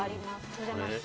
お邪魔して。